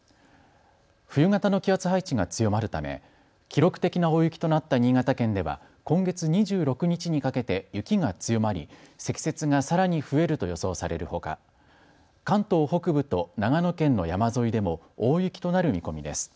冬型の気圧配置が強まるため記録的な大雪となった新潟県では今月２６日にかけて雪が強まり積雪がさらに増えると予想されるほか関東北部と長野県の山沿いでも大雪となる見込みです。